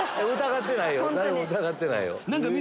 誰も疑ってないよ。